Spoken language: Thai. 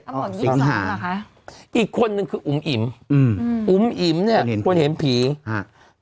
สิบสามอีกคนนึงคืออุ๋มอิ๋มอืมอุ๋มอิ๋มเนี้ยควรเห็นผีฮะ